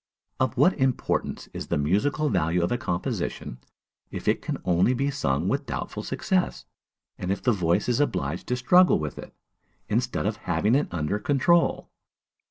Of what importance is the musical value of a composition, if it can only be sung with doubtful success, and if the voice is obliged to struggle with it, instead of having it under control?